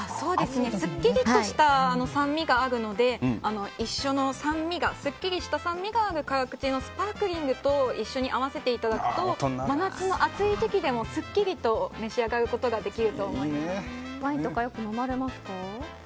すっきりとした酸味があるのですっきりした酸味が合うスパークリングと一緒に合わせていただくと真夏の暑い時でもすっきりと召し上がることがワインとかよく飲まれますか？